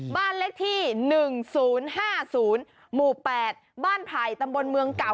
บ้านเลขที่๑๐๕๐หมู่๘บ้านไผ่ตำบลเมืองเก่า